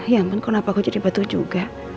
ya ampun kenapa kau jadi batu juga